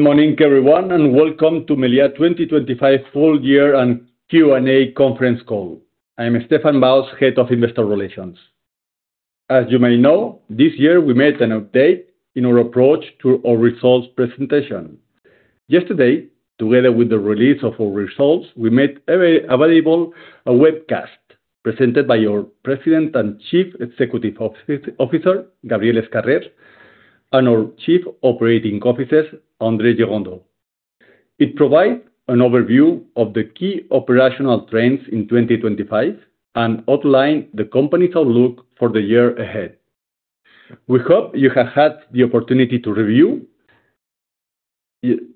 Good morning, everyone. Welcome to Meliá 2025 full year and Q&A conference call. I'm Stéphane Baos, Head of Investor Relations. As you may know, this year we made an update in our approach to our results presentation. Yesterday, together with the release of our results, we made available a webcast presented by our President and Chief Executive Officer, Gabriel Escarrer, and our Chief Operating Officer, André Gerondeau. It provides an overview of the key operational trends in 2025 and outline the company's outlook for the year ahead. We hope you have had the opportunity to review,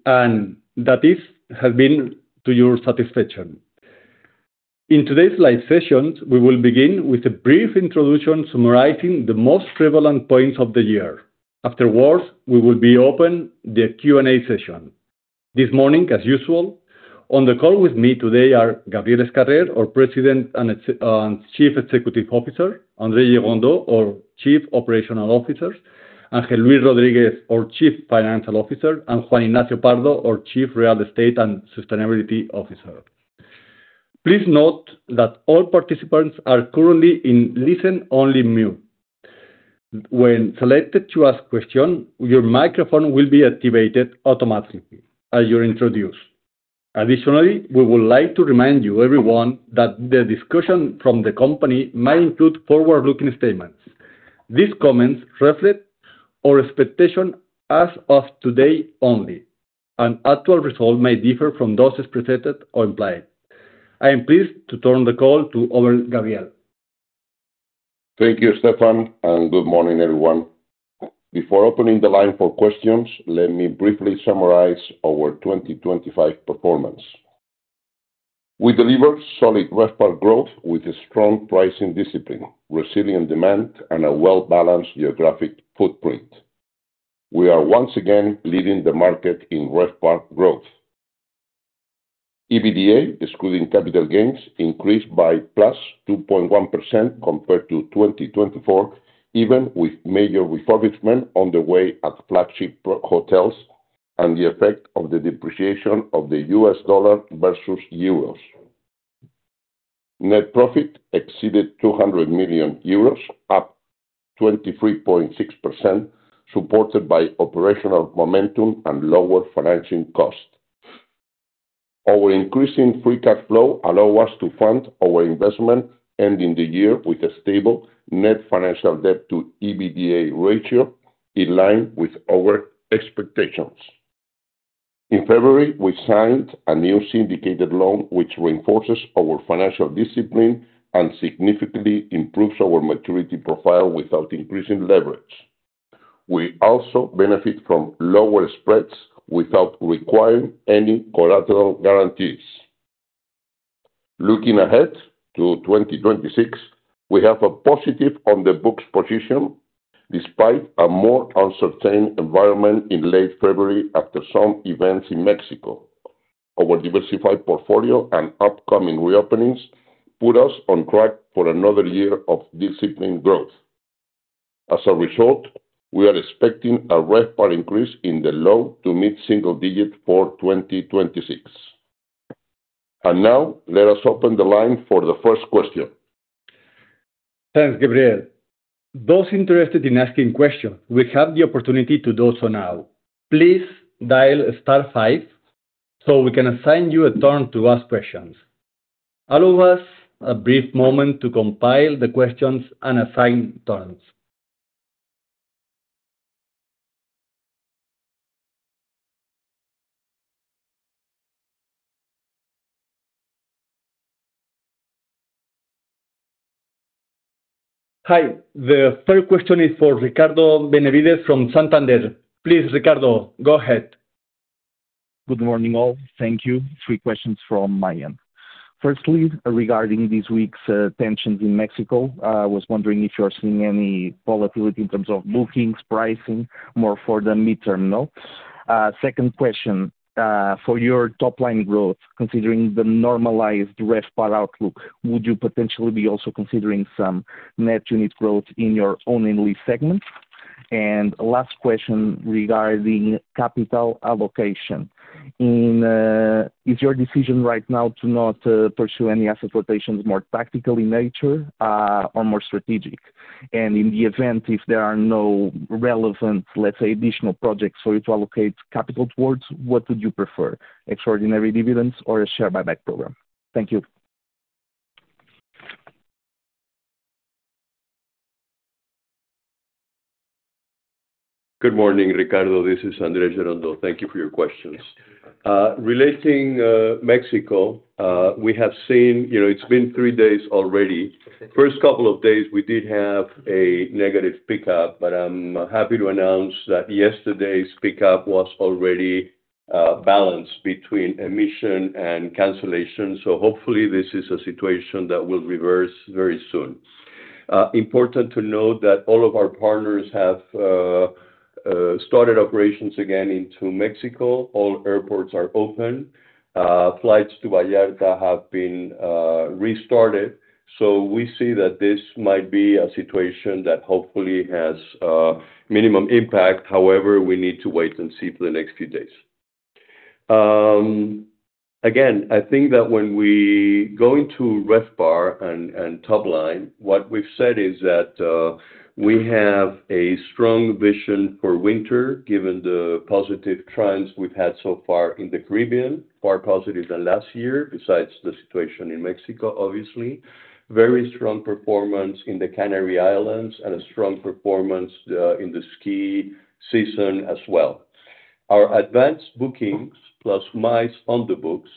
and that it has been to your satisfaction. In today's live sessions, we will begin with a brief introduction summarizing the most prevalent points of the year. Afterwards, we will be open the Q&A session. This morning, as usual, on the call with me today are Gabriel Escarrer, our President and Chief Executive Officer, André Gerondeau, our Chief Operating Officer, Ángel Luis Rodríguez, our Chief Financial Officer, and Juan Ignacio Pardo, our Chief Real Estate and Sustainability Officer. Please note that all participants are currently in listen-only mute. When selected to ask question, your microphone will be activated automatically as you're introduced. Additionally, we would like to remind you, everyone, that the discussion from the company might include forward-looking statements. These comments reflect our expectation as of today only, and actual results may differ from those presented or implied. I am pleased to turn the call to over Gabriel. Thank you, Stefan. Good morning, everyone. Before opening the line for questions, let me briefly summarize our 2025 performance. We delivered solid RevPAR growth with a strong pricing discipline, resilient demand, and a well-balanced geographic footprint. We are once again leading the market in RevPAR growth. EBITDA, excluding capital gains, increased by +2.1% compared to 2024, even with major refurbishment on the way at flagship hotels and the effect of the depreciation of the U.S. dollar versus euros. Net profit exceeded 200 million euros, up 23.6%, supported by operational momentum and lower financing cost. Our increasing free cash flow allow us to fund our investment, ending the year with a stable net financial debt to EBITDA ratio in line with our expectations. In February, we signed a new syndicated loan, which reinforces our financial discipline and significantly improves our maturity profile without increasing leverage. We also benefit from lower spreads without requiring any collateral guarantees. Looking ahead to 2026, we have a positive on the books position despite a more uncertain environment in late February after some events in Mexico. Our diversified portfolio and upcoming reopenings put us on track for another year of disciplined growth. As a result, we are expecting a RevPAR increase in the low to mid-single digit for 2026. Let us open the line for the first question. Thanks, Gabriel. Those interested in asking questions, will have the opportunity to do so now. Please dial star 5, so we can assign you a turn to ask questions. Allow us a brief moment to compile the questions and assign turns. Hi, the first question is for Ricardo Benavides from Santander. Please, Ricardo, go ahead. Good morning, all. Thank you. Three questions from my end. Firstly, regarding this week's tensions in Mexico, I was wondering if you are seeing any volatility in terms of bookings, pricing, more for the midterm note. Second question, for your top-line growth, considering the normalized RevPAR outlook, would you potentially be also considering some net unit growth in your own lease segment? Last question regarding capital allocation. Is your decision right now to not pursue any asset rotations more tactical in nature, or more strategic? In the event, if there are no relevant, let's say, additional projects for you to allocate capital towards, what would you prefer, extraordinary dividends or a share buyback program? Thank you. Good morning, Ricardo. This is André Gerondeau. Thank you for your questions. Relating Mexico, we have seen, you know, it's been 3 days already. First couple of days, we did have a negative pickup. I'm happy to announce that yesterday's pickup was already balanced between emission and cancellation. Hopefully this is a situation that will reverse very soon. Important to note that all of our partners have started operations again into Mexico. All airports are open. Flights to Vallarta have been restarted. We see that this might be a situation that hopefully has minimum impact. However, we need to wait and see for the next few days. Again, I think that when we go into RevPAR and top line, what we've said is that we have a strong vision for winter, given the positive trends we've had so far in the Caribbean, far positive than last year, besides the situation in Mexico, obviously. Very strong performance in the Canary Islands and a strong performance in the ski season as well. Our advanced bookings, plus MICE on the books,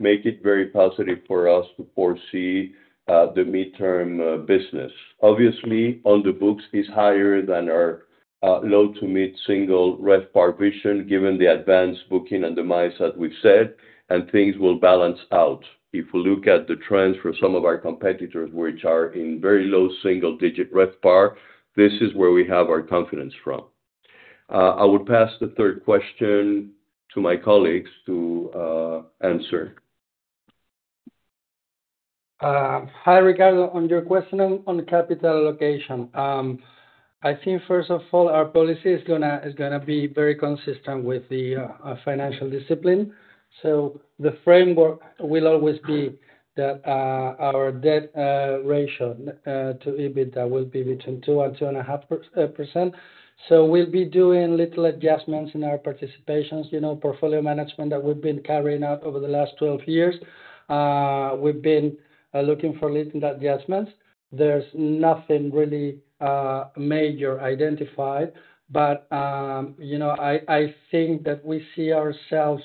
make it very positive for us to foresee the midterm business. Obviously, on the books is higher than our low to mid-single RevPAR vision, given the advanced booking and the MICE that we've said, and things will balance out. If we look at the trends for some of our competitors, which are in very low single digit RevPAR, this is where we have our confidence from. I will pass the third question to my colleagues to answer. Hi, Ricardo. On your question on capital allocation. I think, first of all, our policy is gonna be very consistent with the financial discipline. The framework will always be that our debt ratio to EBITDA will be between 2% and 2.5%. We'll be doing little adjustments in our participations, you know, portfolio management that we've been carrying out over the last 12 years. We've been looking for little adjustments. There's nothing really major identified. You know, I think that we see ourselves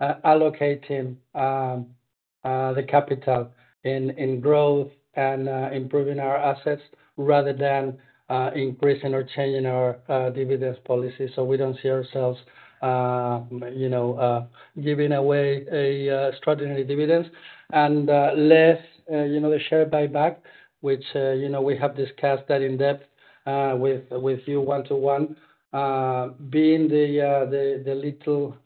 allocating the capital in growth and improving our assets rather than increasing or changing our dividends policy. We don't see ourselves, you know, giving away a extraordinary dividend. Less, you know, the share buyback, which, you know, we have discussed that in depth, with you one to one. Being the little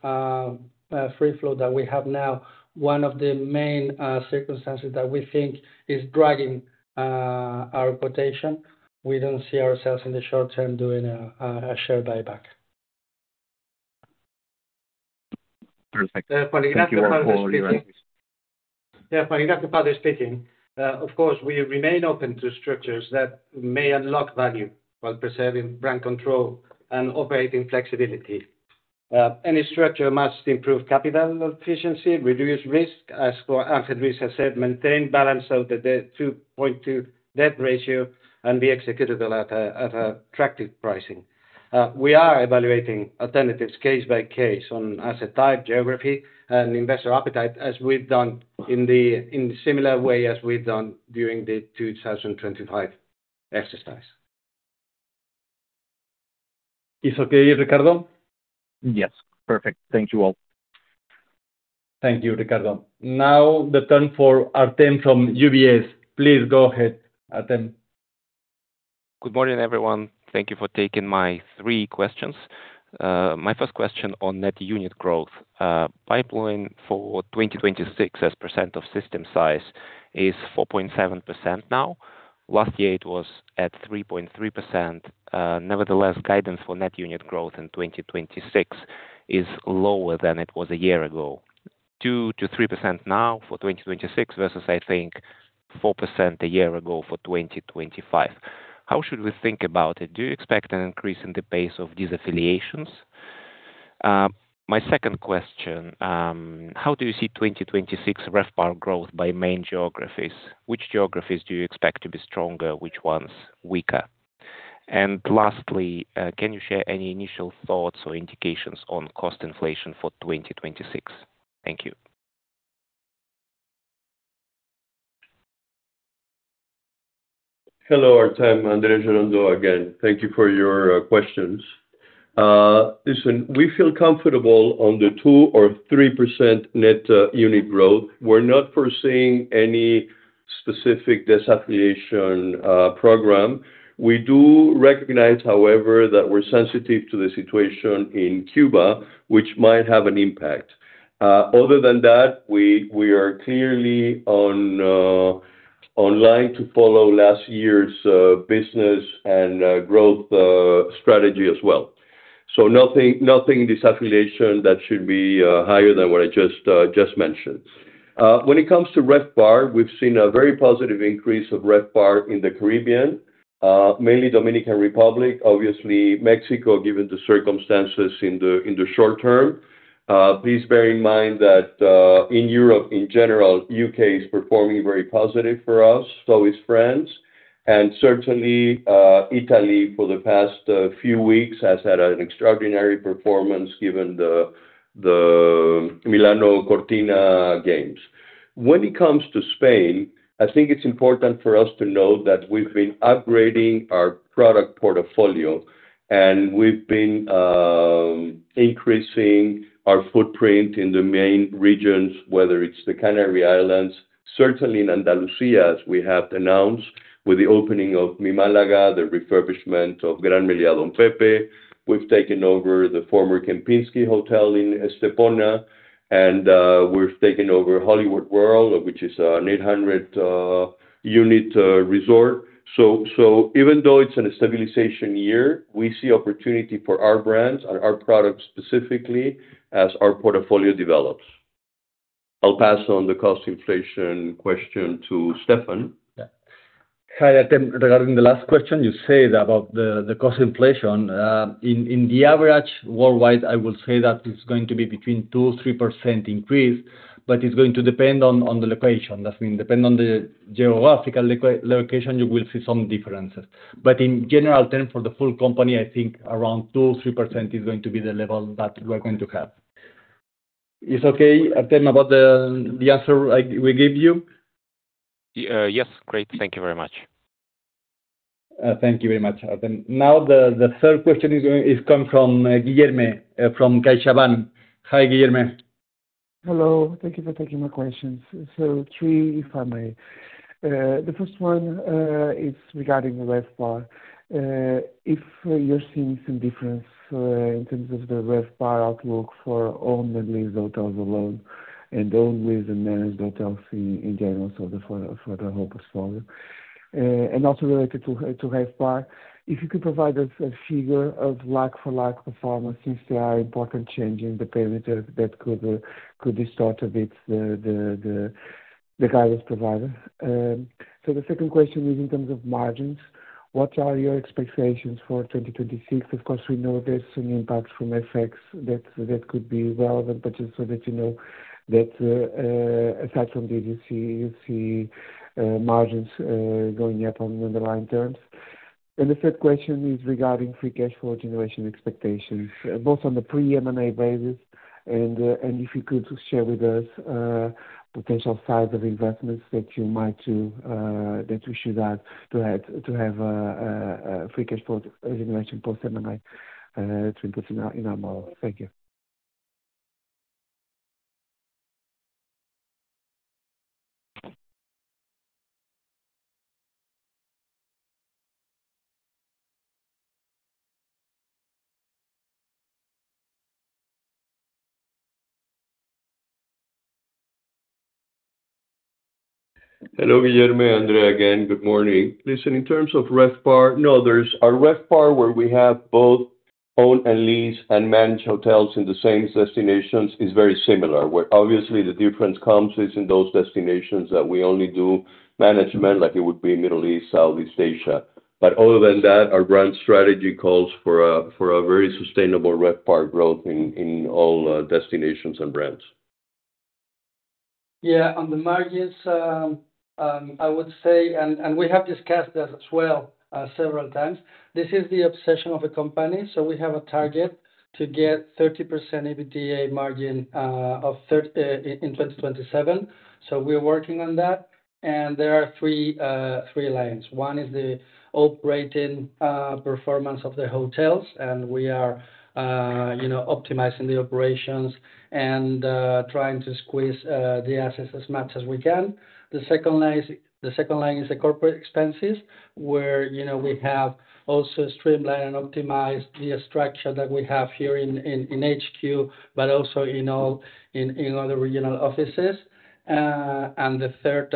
free flow that we have now, one of the main circumstances that we think is dragging our quotation, we don't see ourselves in the short term doing a share buyback. Perfect. Yeah, Juan Ignacio Pardo speaking. Of course, we remain open to structures that may unlock value while preserving brand control and operating flexibility. Any structure must improve capital efficiency, reduce risk, as Luis has said, maintain balance of the debt to 0.2 debt ratio, and be executable at an attractive pricing. We are evaluating alternatives case by case on asset type, geography, and investor appetite, as we've done in the similar way as we've done during the 2025 exercise. It's okay, Ricardo? Yes, perfect. Thank you all. Thank you, Ricardo. Now, the turn for Artem from UBS. Please go ahead, Artem. Good morning, everyone. Thank you for taking my three questions. My first question on net unit growth. Pipeline for 2026 as % of system size is 4.7% now. Last year, it was at 3.3%. Nevertheless, guidance for net unit growth in 2026 is lower than it was a year ago. 2%-3% now for 2026, versus, I think, 4% a year ago for 2025. How should we think about it? Do you expect an increase in the pace of these affiliations? My second question, how do you see 2026 RevPAR growth by main geographies? Which geographies do you expect to be stronger, which ones weaker? Lastly, can you share any initial thoughts or indications on cost inflation for 2026? Thank you. Hello, Artem. André Gerondeau again. Thank you for your questions. Listen, we feel comfortable on the 2% or 3% net unit growth. We're not foreseeing any specific disaffiliation program. We do recognize, however, that we're sensitive to the situation in Cuba, which might have an impact. Other than that, we are clearly online to follow last year's business and growth strategy as well. Nothing disaffiliation that should be higher than what I just mentioned. When it comes to RevPAR, we've seen a very positive increase of RevPAR in the Caribbean, mainly Dominican Republic, obviously Mexico, given the circumstances in the short term. Please bear in mind that in Europe in general, U.K. is performing very positive for us. France, and certainly, Italy, for the past few weeks, has had an extraordinary performance, given the Milano Cortina Games. When it comes to Spain, I think it's important for us to note that we've been upgrading our product portfolio, and we've been increasing our footprint in the main regions, whether it's the Canary Islands, certainly in Andalusia, as we have announced, with the opening of ME Málaga, the refurbishment of Gran Meliá Don Pepe. We've taken over the former Kempinski Hotel in Estepona, and we've taken over Holiday World, which is an 800 unit resort. Even though it's in a stabilization year, we see opportunity for our brands and our products specifically as our portfolio develops. I'll pass on the cost inflation question to Stefan. Hi, Artem, regarding the cost inflation. In the average worldwide, I will say that it's going to be between 2-3% increase, but it's going to depend on the location. That mean, depend on the geographical location, you will see some differences. In general terms, for the full company, I think around 2-3% is going to be the level that we're going to have. It's okay, Artem, about the answer we gave you? Yes. Great, thank you very much. Thank you very much, Artem. The third question is come from, Guilherme from CaixaBank. Hi, Guilherme. Hello, thank you for taking my questions. Three, if I may. The first one is regarding the RevPAR. If you're seeing some difference in terms of the RevPAR outlook for owned and leased hotels alone, and owned, leased, and managed hotels in general, for the whole portfolio? Also related to RevPAR, if you could provide us a figure of like for like performance, since there are important changes in the parameters that could distort a bit the guidance provided? The second question is in terms of margins. What are your expectations for 2026? Of course, we know there's some impact from effects that could be relevant, but just so that you know, that aside from the DC, you see margins going up on the underlying terms. The third question is regarding free cash flow generation expectations, both on the pre-M&A basis and if you could share with us potential size of investments that you might do, that we should add to have free cash flow generation post M&A, to input in our model. Thank you. Hello, Guilherme, André again. Good morning. Listen, in terms of RevPAR, no, there's our RevPAR, where we have both owned and leased and managed hotels in the same destinations is very similar. Where obviously the difference comes is in those destinations that we only do management, like it would be Middle East, Southeast Asia. Other than that, our brand strategy calls for a very sustainable RevPAR growth in all destinations and brands. On the margins, I would say, we have discussed this as well, several times. This is the obsession of a company. We have a target to get 30% EBITDA margin in 2027. We're working on that. There are 3 lines. One is the operating performance of the hotels, and we are, you know, optimizing the operations and trying to squeeze the assets as much as we can. The second line is the corporate expenses, where, you know, we have also streamlined and optimized the structure that we have here in HQ, but also in all the regional offices. The third,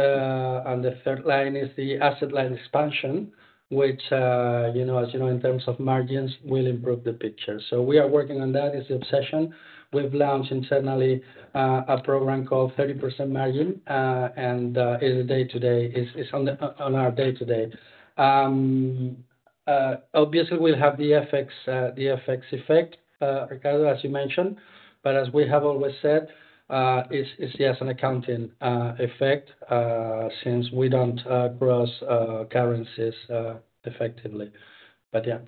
and the third line is the asset light expansion, which, you know, as you know, in terms of margins will improve the picture. We are working on that, it's the obsession. We've launched internally a program called 30% Margin, and is a day-to-day, is on the, on our day-to-day. Obviously, we'll have the FX, the FX effect, Ricardo, as you mentioned, but as we have always said, it's just an accounting effect, since we don't cross currencies effectively. Yeah.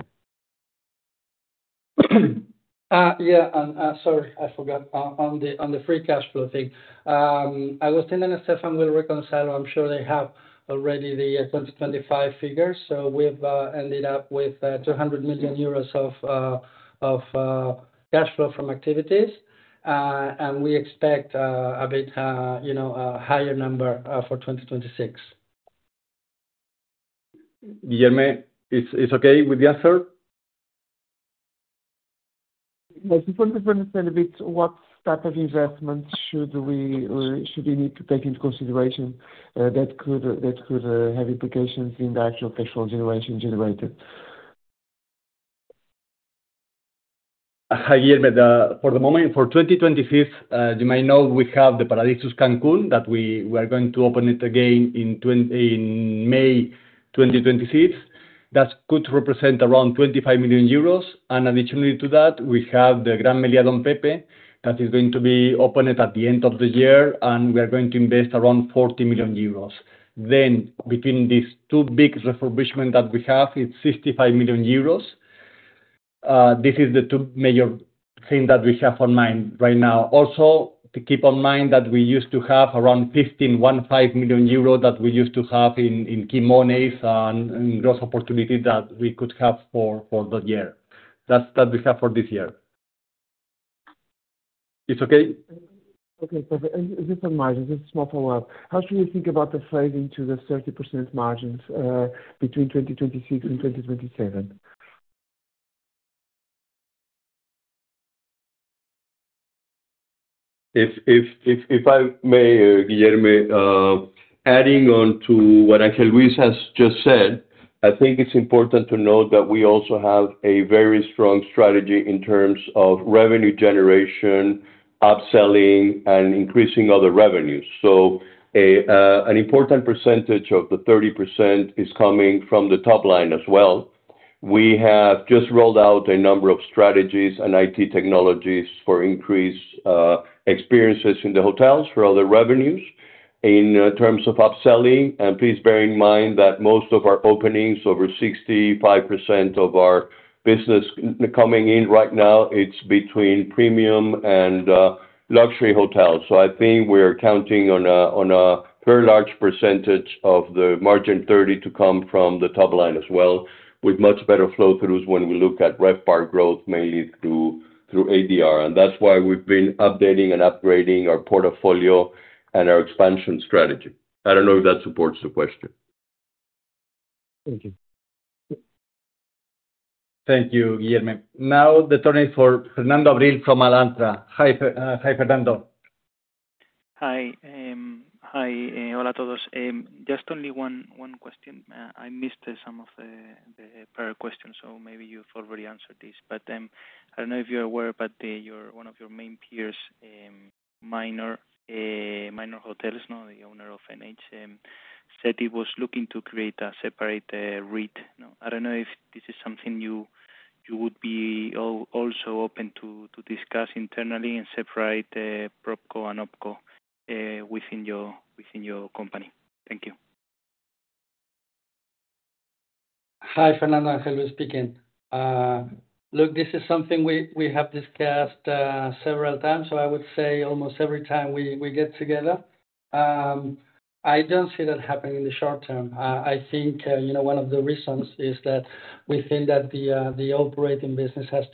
Yeah, and sorry, I forgot on the, on the free cash flow thing. I was thinking that Stéphane will reconcile. I'm sure they have already the 2025 figures. We've ended up with 200 million euros of cash flow from activities. We expect a bit, you know, a higher number for 2026. Guilherme, it's okay with the answer? Yeah. Just want to understand a bit what type of investments should we need to take into consideration, that could have implications in the actual cash flow generation generated? Hi, Guilherme. For the moment, for 2025, you may know, we have the Paradisus Cancún, that we are going to open it again in May 2025. That could represent around 25 million euros, and additionally to that, we have the Gran Meliá Don Pepe, that is going to be opened at the end of the year, and we are going to invest around 40 million euros. Between these two big refurbishment that we have, it's 55 million euros. This is the two major thing that we have on mind right now. To keep on mind that we used to have around 15 million euros that we used to have in key monies and growth opportunity that we could have for the year. That we have for this year. It's okay? Okay, perfect. Just on margins, just a small follow-up. How should we think about the fade into the 30% margins between 2026 and 2027? If I may, Guilherme, adding on to what Ángel Luis has just said, I think it's important to note that we also have a very strong strategy in terms of revenue generation, upselling, and increasing other revenues. An important percentage of the 30% is coming from the top line as well. We have just rolled out a number of strategies and IT technologies for increased experiences in the hotels for other revenues. In terms of upselling, and please bear in mind that most of our openings, over 65% of our business coming in right now, it's between premium and luxury hotels. I think we're counting on a very large percentage of the Margin Thirty to come from the top line as well, with much better flow throughs when we look at RevPAR growth, mainly through ADR. That's why we've been updating and upgrading our portfolio and our expansion strategy. I don't know if that supports the question? Thank you. Thank you, Guilherme. Now the turn is for Fernando Abril-Martorell from Alantra. Hi, Fernando. Hi, hi, Just only one question. I missed some of the prior questions, so maybe you've already answered this. I don't know if you're aware, but, one of your main peers, Minor Hotels, now the owner of NH, said he was looking to create a separate REIT. I don't know if this is something you would be also open to discuss internally and separate the PropCo and OpCo, within your company. Thank you. Hi, Fernando, Ángel Luis speaking. Look, this is something we have discussed several times, so I would say almost every time we get together. I don't see that happening in the short term. I think, you know, one of the reasons is that we think that the operating business has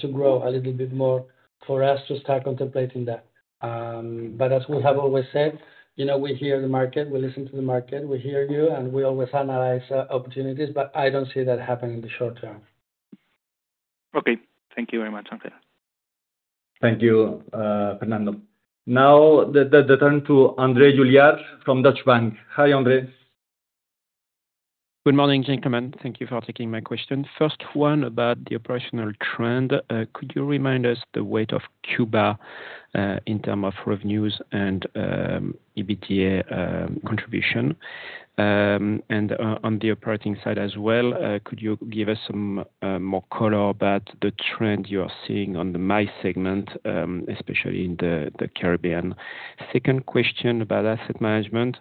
to grow a little bit more for us to start contemplating that. As we have always said, you know, we hear the market, we listen to the market, we hear you, and we always analyze opportunities, but I don't see that happening in the short term. Okay. Thank you very much. Okay. Thank you, Fernando. Now the turn to Andre Juillard from Deutsche Bank. Hi, Andre. Good morning, gentlemen. Thank you for taking my question. First one, about the operational trend. Could you remind us the weight of Cuba in terms of revenues and EBITDA contribution? On the operating side as well, could you give us some more color about the trend you are seeing on the MICE segment, especially in the Caribbean? Second question, about asset management.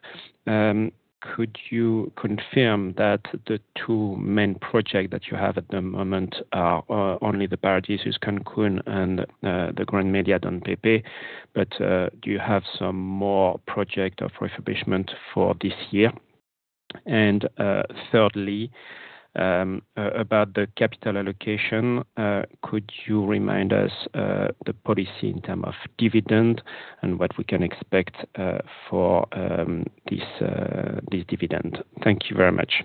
Could you confirm that the two main project that you have at the moment are only the Paradisus Cancún and the Gran Meliá Don Pepe, do you have some more project of refurbishment for this year? Thirdly, about the capital allocation, could you remind us the policy in terms of dividend and what we can expect for this dividend? Thank you very much.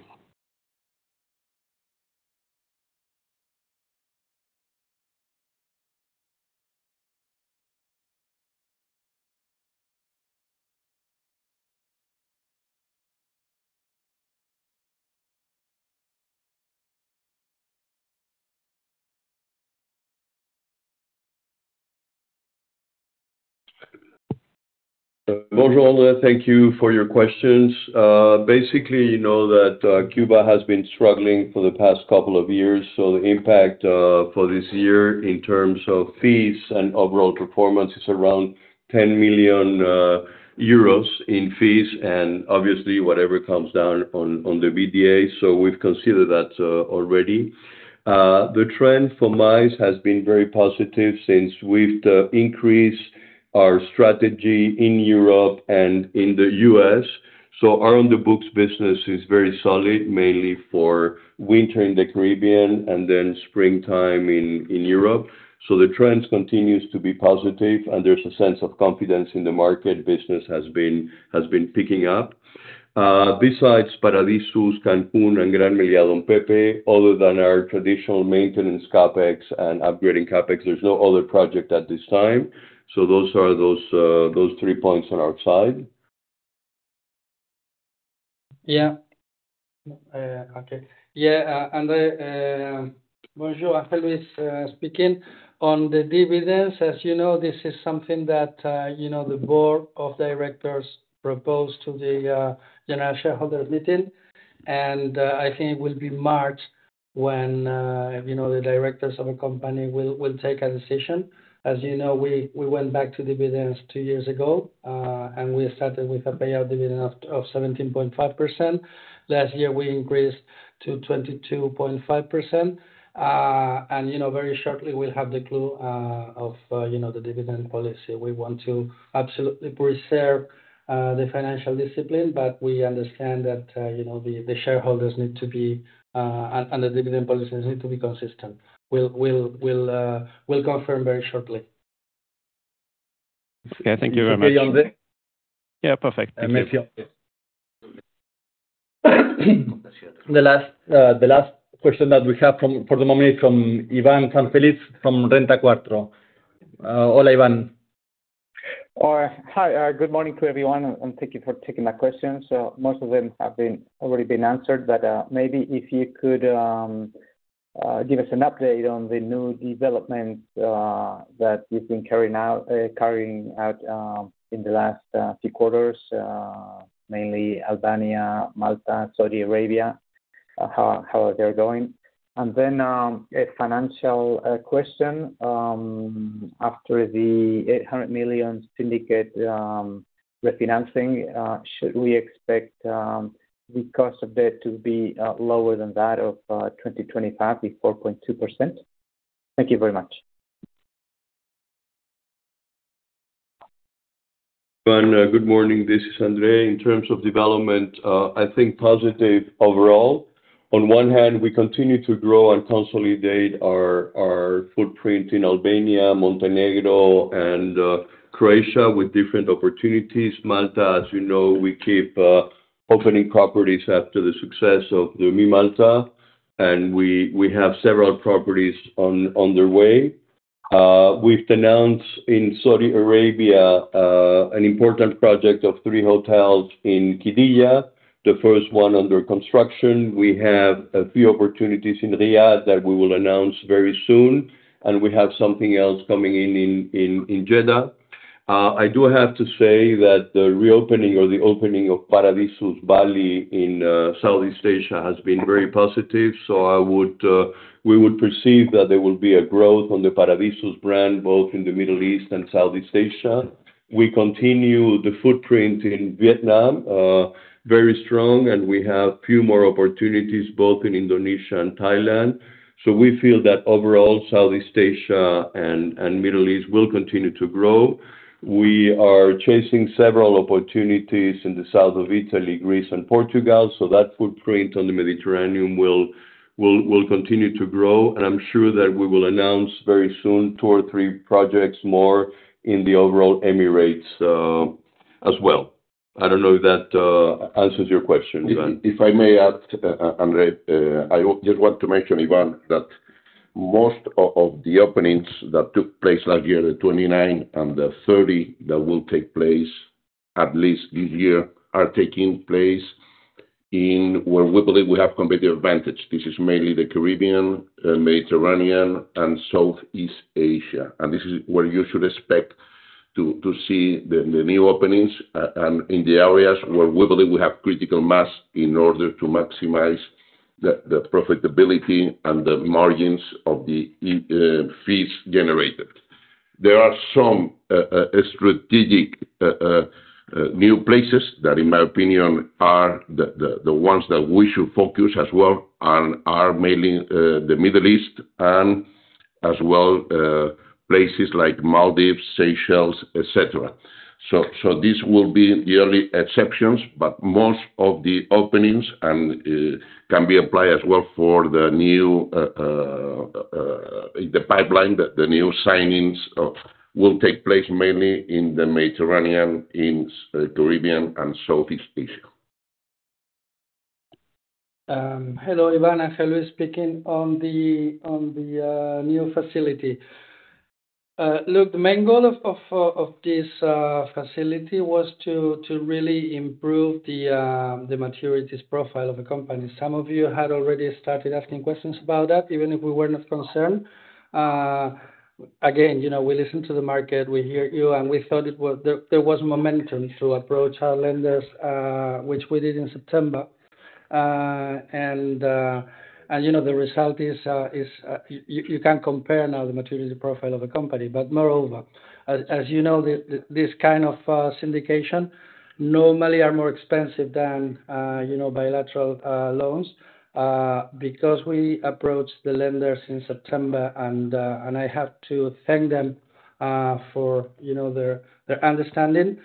Bonjour, Andre. Thank you for your questions. Basically, you know that Cuba has been struggling for the past couple of years, the impact for this year in terms of fees and overall performance is around 10 million euros in fees and obviously whatever comes down on the EBITDA, we've considered that already. The trend for MICE has been very positive since we've increased our strategy in Europe and in the U.S.. Our on the books business is very solid, mainly for winter in the Caribbean and then springtime in Europe. The trends continues to be positive, and there's a sense of confidence in the market. Business has been picking up. Besides Paradisus Cancún and Gran Meliá Don Pepe, other than our traditional maintenance CapEx and upgrading CapEx, there's no other project at this time. Those are those 3 points on our side. Yeah. Okay. Yeah, Andre, bonjour, Ángel Luis, speaking. On the dividends, as you know, this is something that, you know, the board of directors proposed to the general shareholder meeting, and I think it will be March when, you know, the directors of a company will take a decision. As you know, we went back to dividends two years ago, and we started with a payout dividend of 17.5%. Last year, we increased to 22.5%. You know very shortly we'll have the clue, of, you know, the dividend policy. We want to absolutely preserve the financial discipline, but we understand that, you know, the shareholders need to be, and the dividend policies need to be consistent. We'll confirm very shortly. Okay. Thank you very much. Yeah, Andre? Yeah, perfect. Merci. The last question that we have for the moment is from Iván San Félix from Renta 4. hola, Iván. Hi. Good morning to everyone, thank you for taking my questions. Most of them already been answered, maybe if you could give us an update on the new development that you've been carrying out in the last few quarters, mainly Albania, Malta, Saudi Arabia, how they're going. A financial question. After the 800 million syndicate refinancing, should we expect the cost of debt to be lower than that of 2025, the 4.2%? Thank you very much. Iván, good morning. This is Andre. In terms of development, I think positive overall. On one hand, we continue to grow and consolidate our footprint in Albania, Montenegro, and Croatia with different opportunities. Malta, as you know, we keep opening properties after the success of the ME Malta, and we have several properties on the way. We've announced in Saudi Arabia an important project of three hotels in Qiddiya, the first one under construction. We have a few opportunities in Riyadh that we will announce very soon, and we have something else coming in Jeddah. I do have to say that the reopening or the opening of Paradisus Bali in Southeast Asia has been very positive. We would perceive that there will be a growth on the Paradisus brand, both in the Middle East and Southeast Asia. We continue the footprint in Vietnam, very strong. We have a few more opportunities both in Indonesia and Thailand. We feel that overall, Southeast Asia and Middle East will continue to grow. We are chasing several opportunities in the south of Italy, Greece, and Portugal. That footprint on the Mediterranean will continue to grow. I'm sure that we will announce very soon, two or three projects more in the overall Emirates as well. I don't know if that answers your question, Iván. If I may add, André, I just want to mention, Iván, that most of the openings that took place last year, the 29, and the 30 that will take place at least this year, are taking place in where we believe we have competitive advantage. This is mainly the Caribbean, Mediterranean, and Southeast Asia, and this is where you should expect to see the new openings, and in the areas where we believe we have critical mass in order to maximize the profitability and the margins of the fees generated. There are some strategic new places that, in my opinion, are the ones that we should focus as well and are mainly the Middle East and as well places like Maldives, Seychelles, et cetera. This will be the only exceptions, but most of the openings and can be applied as well for the new the pipeline. The new signings will take place mainly in the Mediterranean, in Caribbean, and Southeast Asia. Hello, Iván. Ángel speaking. On the new facility. Look, the main goal of this facility was to really improve the maturities profile of the company. Some of you had already started asking questions about that, even if we were not concerned. Again, you know, we listen to the market, we hear you, and we thought it was there was momentum to approach our lenders, which we did in September. You know, the result is you can compare now the maturity profile of the company. Moreover, as you know, this kind of syndication normally are more expensive than, you know, bilateral loans. Because we approached the lenders in September, I have to thank them, for, you know, their understanding,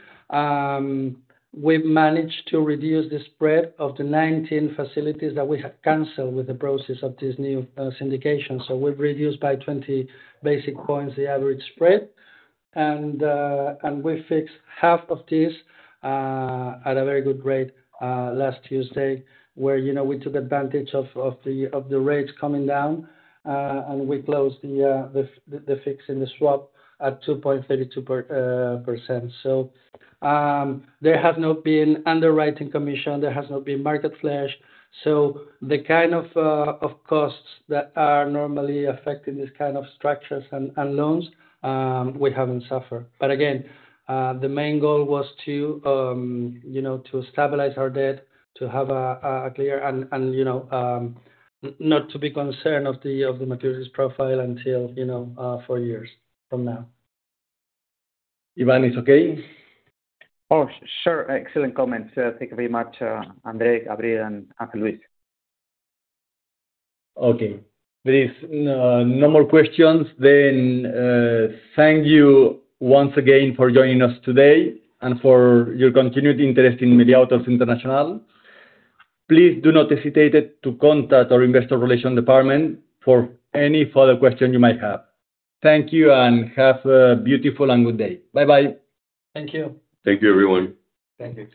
we've managed to reduce the spread of the 19 facilities that we had canceled with the process of this new syndication. We've reduced by 20 basic points, the average spread, and we fixed half of this at a very good rate last Tuesday, where, you know, we took advantage of the rates coming down, and we closed the fix and the swap at 2.32%. There has not been underwriting commission, there has not been market flash. The kind of costs that are normally affecting these kind of structures and loans, we haven't suffered. Again, the main goal was to, you know, to stabilize our debt, to have a clear and, you know, not to be concerned of the, of the maturities profile until, you know, four years from now. Ivan, it's okay? Oh, sure. Excellent comments. Thank you very much, Andre, Gabriel, and Ángel Luis. Okay. There is no more questions. Thank you once again for joining us today and for your continued interest in Meliá Hotels International. Please do not hesitate to contact our investor relation department for any further question you might have. Thank you, have a beautiful and good day. Bye-bye. Thank you. Thank you, everyone. Thank you.